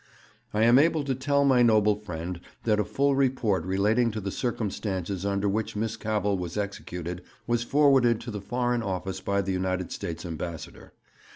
'I am able to tell my noble friend that a full report relating to the circumstances under which Miss Cavell was executed was forwarded to the Foreign Office by the United States Ambassador.